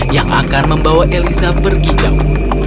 yang akan membawa elisa pergi jauh